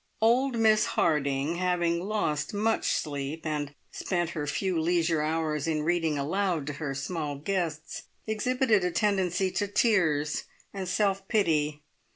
Old Miss Harding, having lost much sleep, and spent her few leisure hours in reading aloud to her small guests, exhibited a tendency to tears and self pity.